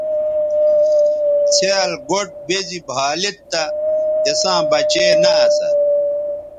څھیال گوٹھ بے زی بھا لید تہ تِساں بچے نہ اسا۔